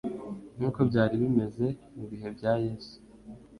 nk'uko byari bimeze mu bihe bya Yesu.